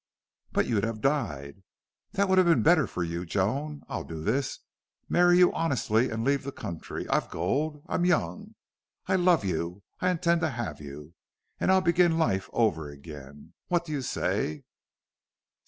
"But you'd have died." "That would have been better for you..... Joan, I'll do this. Marry you honestly and leave the country. I've gold. I'm young. I love you. I intend to have you. And I'll begin life over again. What do you say?"